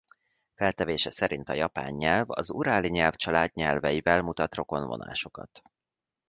Feltevése szerint a japán nyelv az uráli nyelvcsalád nyelveivel mutat rokon vonásokat.